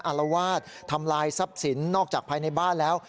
อารวาสทำลายทรัพย์สินนอกจากภายในบ้านแล้ว